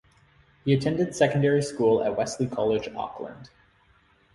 He attended secondary school at Wesley College, Auckland.